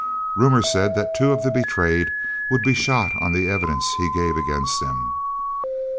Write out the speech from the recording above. Rumour said that two of the betrayed would be shot on the evidence he gave against them.